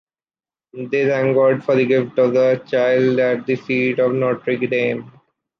They thank God for the gift of a child at the feet of Notre-Dame.